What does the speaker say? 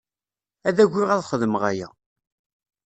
Ad agiɣ ad xedmeɣ aya.